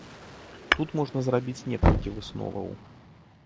Тут можна зрабіць некалькі высноваў.